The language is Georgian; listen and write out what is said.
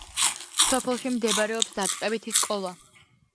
სოფელში მდებარეობს დაწყებითი სკოლა.